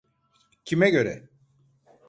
Kime göre?